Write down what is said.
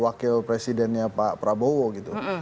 siapa sebetulnya presidennya pak prabowo gitu